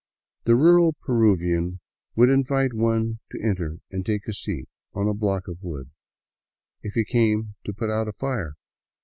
The rural Peruvian would invite one to enter and take a seat — on a block of wood — if he came to put out a fire.